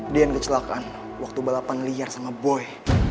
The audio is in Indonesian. deyan kecelakaan waktu balapan liar sama boy